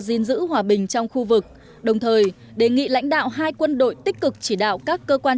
gìn giữ hòa bình trong khu vực đồng thời đề nghị lãnh đạo hai quân đội tích cực chỉ đạo các cơ quan